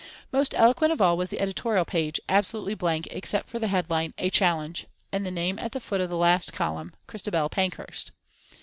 Most eloquent of all was the editorial page, absolutely blank except for the headline, "A Challenge!" and the name at the foot of the last column, Christabel Pankhurst.